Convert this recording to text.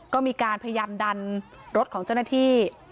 ก็มีการพยายามดันรถของเจ้าหน้าที่